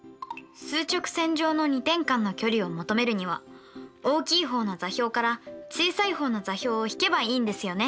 数直線上の２点間の距離を求めるには大きい方の座標から小さい方の座標を引けばいいんですよね？